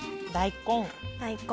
大根。